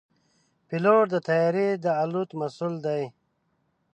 پيلوټ د طیارې د الوت مسؤل دی.